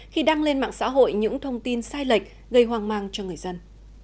khi đăng lên mạng xã hội những thông tin sai lệch gây hoang mang cho người dân